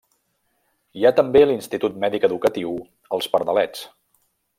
Hi ha també l'Institut Mèdic Educatiu Els Pardalets.